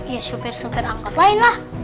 ya supir supir angkat lain lah